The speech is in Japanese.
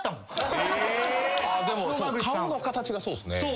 でもそう顔の形がそうっすね。